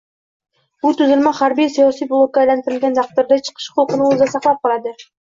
bu tuzilma harbiy-siyosiy blokka aylantirilgan taqdirda chiqish huquqini o‘zida saqlab qoladi